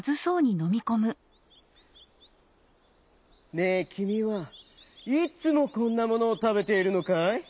「ねえきみはいつもこんなものをたべているのかい？